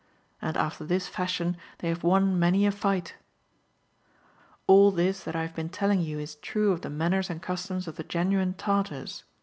And after this fashion they have won many a fight. '^ All this that I have been telling you is true of the manners and customs of the oenuine Tartars.